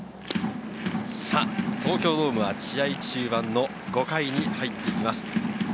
東京ドームは試合中盤の５回に入っていきます。